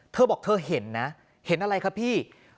เธอบอกเธอเห็นนะเห็นอะไรคะพี่